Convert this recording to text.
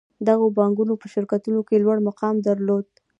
دغو بانکونو په شرکتونو کې لوړ مقام درلود